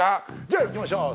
じゃあいきましょう。